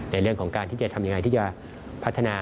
ในเรื่องของการที่จะทำยังไงที่จะพัฒนา